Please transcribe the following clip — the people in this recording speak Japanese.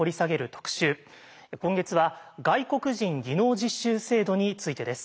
今月は外国人技能実習制度についてです。